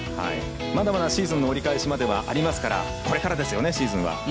まだまだシーズンの折り返しまではありますからこれからですよね、シーズンは。